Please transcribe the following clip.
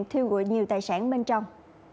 thiêu gụi nhiều tài sản bên trong